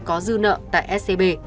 có dư nợ tại scb